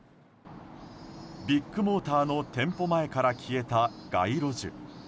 ビッグモーターの店舗前から消えた街路樹。